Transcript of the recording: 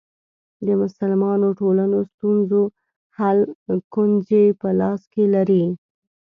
د مسلمانو ټولنو ستونزو حل کونجي په لاس کې لري.